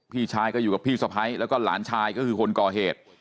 พี่ชายก็อยู่กับพี่สะพ้ายแล้วก็หลานชายก็คือคนก่อเหตุ